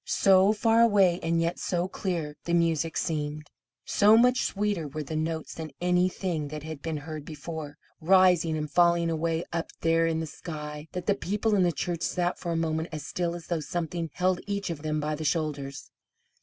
So far away, and yet so clear the music seemed so much sweeter were the notes than anything that had been heard before, rising and falling away up there in the sky, that the people in the church sat for a moment as still as though something held each of them by the shoulders.